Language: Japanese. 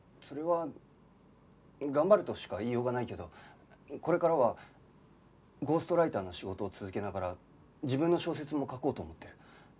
それは頑張るとしか言いようがないけどこれからはゴーストライターの仕事を続けながら自分の小説も書こうと思ってる。